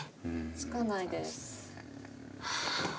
つかないです。ハァ。